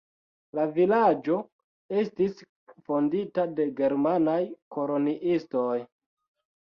La vilaĝo estis fondita de germanaj koloniistoj.